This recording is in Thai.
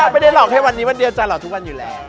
ไม่ได้หลอกแค่วันนี้วันเดียวจะหลอกทุกวันอยู่แล้ว